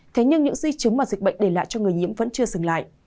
thế nhưng những di chứng mà dịch bệnh để lại cho người nhiễm vẫn chưa dừng lại